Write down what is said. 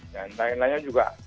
dan lain lainnya juga